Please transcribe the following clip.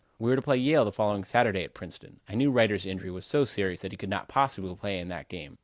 We were to play Yale the following Saturday at Princeton. I knew Reiter's injury was so serious that he could not possibly play in that game.